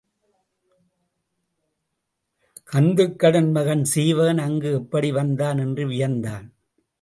கந்துக்கடன் மகன் சீவகன் அங்கு எப்படி வந்தான் என்று வியந்தான்.